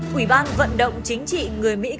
quỹ ban vận động chính trị người mỹ gốc việt vpac